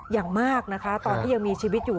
อย่างมากนะคะตอนที่ยังมีชีวิตอยู่